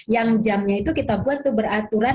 yang jamnya itu kita buat tuh beraturan